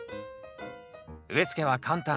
植え付けは簡単。